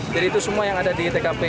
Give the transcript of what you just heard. jadi itu semua yang ada di tkp